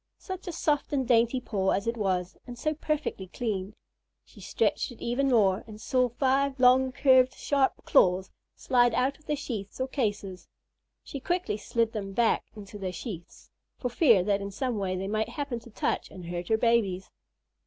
Such a soft and dainty paw as it was, and so perfectly clean. She stretched it even more, and saw five long, curved, sharp claws slide out of their sheaths or cases. She quickly slid them back into their sheaths, for fear that in some way they might happen to touch and hurt her babies.